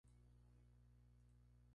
Su mandíbula superior es alargada y curvada.